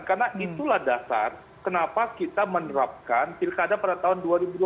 karena itulah dasar kenapa kita menerapkan pilkada pada tahun dua ribu dua puluh